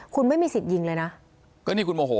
คุณไม่มีสิทธิ์ยิงเลยนะก็นี่คุณโมโห